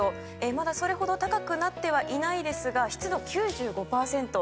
まだそれほど高くなってはいないんですが湿度９５％。